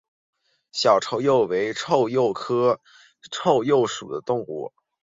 小臭鼩为鼩鼱科臭鼩属的动物。